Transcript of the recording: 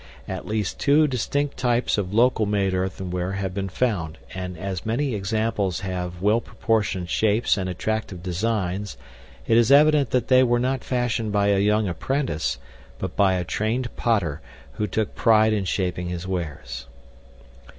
At least two distinct types of local made earthenware have been found, and, as many examples have well proportioned shapes and attractive designs, it is evident that they were not fashioned by a young apprentice, but by a trained potter who took pride in shaping his wares.